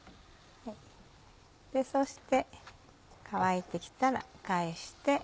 そして乾いて来たら返して。